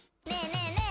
ねえ？ねえ？